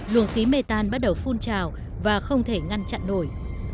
luồng khí mê tan bắt đầu phun trào và không thể ngăn chặn nổi